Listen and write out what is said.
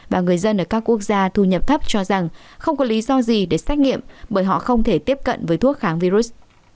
và người dân ở các quốc gia thu nhập thấp cho rằng không có lý do gì để xét nghiệm bởi họ không thể tiếp cận với thuốc kháng virus